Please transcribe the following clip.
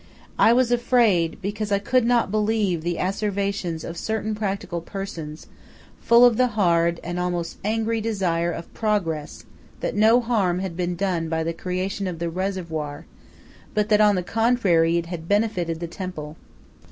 I was afraid, because I could not believe the asservations of certain practical persons, full of the hard and almost angry desire of "Progress," that no harm had been done by the creation of the reservoir, but that, on the contrary, it had benefited the temple.